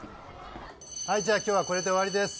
・はいじゃ今日はこれで終わりです